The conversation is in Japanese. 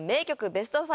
ベスト５